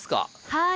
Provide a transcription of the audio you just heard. はい。